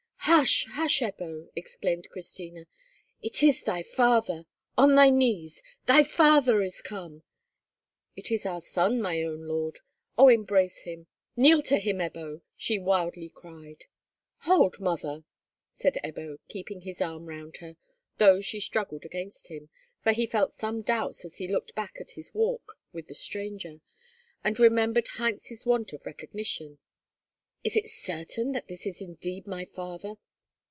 "Hush! hush, Ebbo!" exclaimed Christina. "It is thy father! On thy knees! Thy father is come! It is our son, my own lord. Oh, embrace him! Kneel to him, Ebbo!" she wildly cried. "Hold, mother," said Ebbo, keeping his arm round her, though she struggled against him, for he felt some doubts as he looked back at his walk with the stranger, and remembered Heinz's want of recognition. "Is it certain that this is indeed my father?"